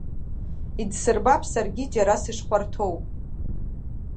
Идсырбап саргьы џьара сышхәарҭоу.